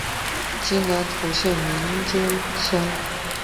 今南投县名间乡。